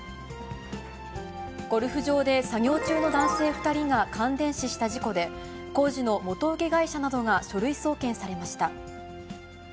ゴルフ場で作業中の男性２人が感電死した事故で、工事の元請け会社などが書類送検されました。